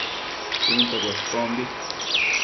Shuinte Cuespombi